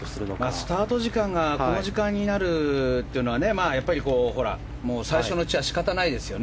スタート時間がこの時間になるというのは最初のうちはしかたがないですよね。